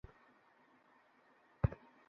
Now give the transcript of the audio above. না, ওর ফোন আমার কাছে।